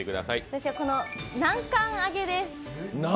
私は、この南関あげです。